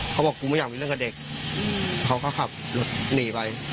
เขาบอกกูไม่อยากมีเรื่องกับเด็กเขาก็ขับรถหนีไป